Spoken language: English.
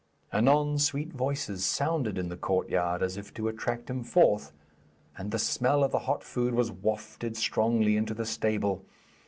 Anon sweet voices sounded in the courtyard as if to attract him forth, and the smell of the hot food was wafted strongly into the stable.